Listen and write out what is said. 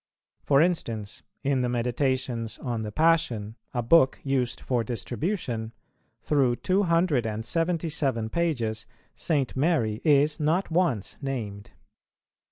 For instance, in the Meditations on the Passion, a book used for distribution, through two hundred and seventy seven pages St. Mary is not once named.